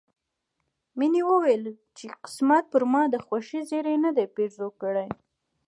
مينې وويل چې قسمت پر ما د خوښۍ زيری نه دی پيرزو کړی